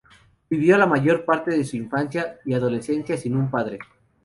Vivió la mayor parte de su infancia y adolescencia sin un padre.